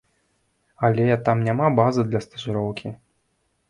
Але там няма базы для стажыроўкі.